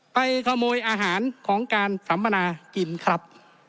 ไปขโมยอาหารของการสัมมนากินครับ